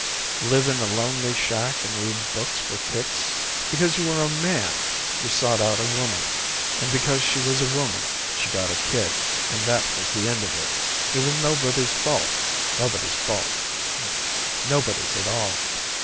Live in a lonely shack and read books for kicks? Because you were a man, you sought out a woman. And because she was a woman, she got a kid, and that was the end of it. It was nobody's fault, nobody's at all.